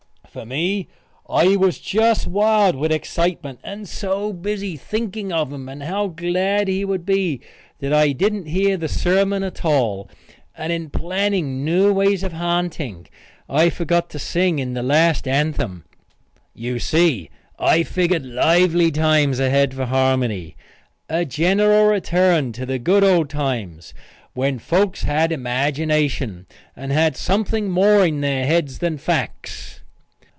For me, I was just wild with excitement, and was so busy thinking of him and how glad he would be, that I didn't hear the sermon at all, and in planning new ways of ha'nting I forgot to sing in the last anthem. You see, I figgered lively times ahead for Harmony a general return to the good old times when folks had imagination and had something more in their heads than facts.